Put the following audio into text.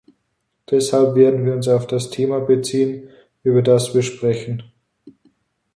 Deshalb werden wir uns auf das Thema beziehen, über das wir sprechen.